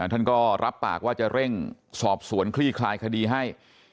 ท่านก็รับปากว่าจะเร่งสอบสวนคลี่คลายคดีให้